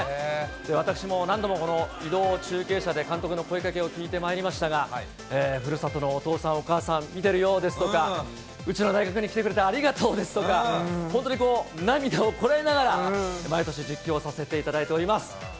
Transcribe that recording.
私も何度もこの移動中継車で、監督の声掛けを聞いてまいりましたが、ふるさとのお父さん、お母さん、見てるよとかですとか、うちの大学に来てくれてありがとうですとか、本当に涙をこらえながら、毎年、実況をさせていただいております。